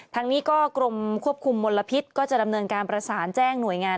ทางนี้ก็กรมควบคุมมลพิษก็จะดำเนินการประสานแจ้งหน่วยงาน